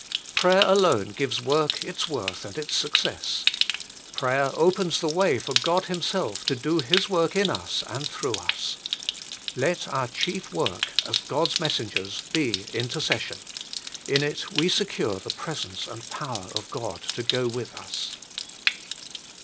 Prayer alone gives work its worth and its success. Prayer opens the way for God Himself to do His work in us and through us. Let our chief work, A MODEL OF INTERCESSION 41 as God s messengers, be intercession : in it we secure the presence and power of God to go with us.